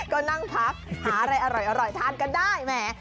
ก็นั่งพักหาอะไรอร่อยทานกันได้แหม